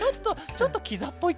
ちょっとキザっぽいね。